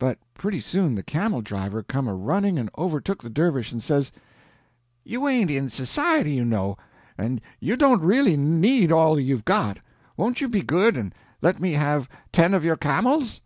But pretty soon the camel driver come a running and overtook the dervish and says: "You ain't in society, you know, and you don't really need all you've got. Won't you be good, and let me have ten of your camels?"